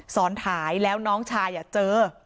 สอนถ่ายแล้วน้องชายอ่ะเจอ